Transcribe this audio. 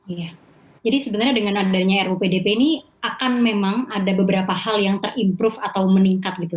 iya jadi sebenarnya dengan adanya ruu pdp ini akan memang ada beberapa hal yang terimprove atau meningkat gitu